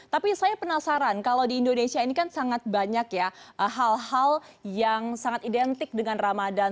tapi saya penasaran kalau di indonesia ini kan sangat banyak ya hal hal yang sangat identik dengan ramadan